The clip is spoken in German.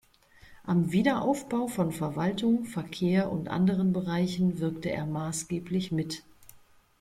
Am Wiederaufbau von Verwaltung, Verkehr und anderen Bereichen wirkte er maßgeblich mit.